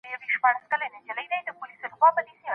ادم د مځکي لومړنی اوسیدونکی و.